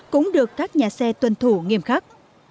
cũng được các nhà xe tuân thủ nghiêm khắc